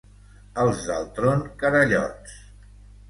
Els d'Altron, carallots.